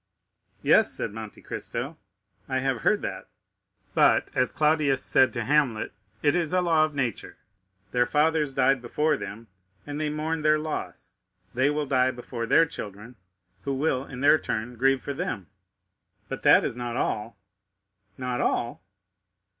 "Yes," said Monte Cristo, "I have heard that; but, as Claudius said to Hamlet, 'it is a law of nature; their fathers died before them, and they mourned their loss; they will die before their children, who will, in their turn, grieve for them.'" "But that is not all." "Not all!"